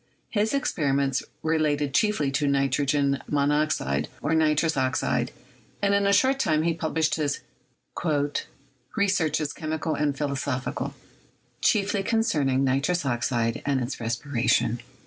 His experiments related chiefly to nitrogen monoxide, or nitrous oxide, and in a short time he published his "Researches Chemical and Philo sophical, chiefly concerning Nitrous Oxide and its Res piration."